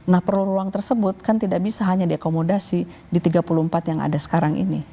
nah perlu ruang tersebut kan tidak bisa hanya diakomodasi di tiga puluh empat yang ada sekarang ini